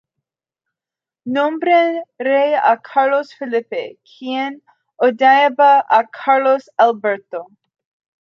Nombran rey a Carlos Felipe, quien odiaba a Carlos Alberto.